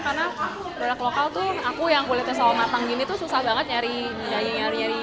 karena produk lokal tuh aku yang kulitnya selamat latang gini tuh susah banget nyari nyari